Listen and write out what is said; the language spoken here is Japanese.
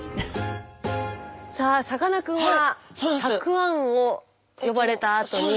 さあさかなクンはたくあんを呼ばれたあとに。